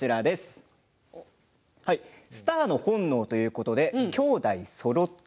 スターの本能ということで「兄弟そろって」